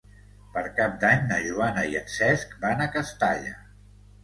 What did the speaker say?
Per Cap d'Any na Joana i en Cesc van a Castalla.